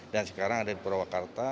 dan sekarang ada di zoo